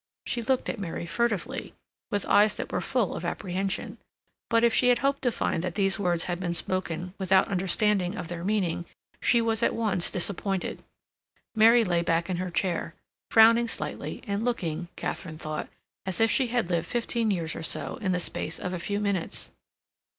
She looked at Mary furtively, with eyes that were full of apprehension. But if she had hoped to find that these words had been spoken without understanding of their meaning, she was at once disappointed. Mary lay back in her chair, frowning slightly, and looking, Katharine thought, as if she had lived fifteen years or so in the space of a few minutes.